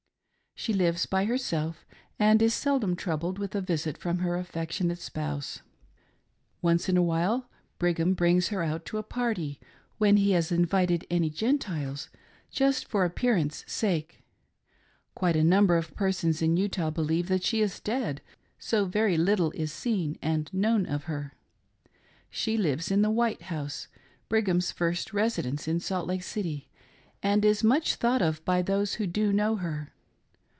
She lives by herself and is seldom , troubled with a visit from her affectionate spouse. THE FIRST FAMILY OF BRIGHAM YOUNG. 277 Once in a while Brigham brings her out to a party when he has invited any Gentiles, just for appearance sake. Quite a number of • persons in Utah believe that she is dead, so very little is seen and known of her. She lives in the White House — Brigham's first residence in Salt Lake City — and is much thought of by those who do know her.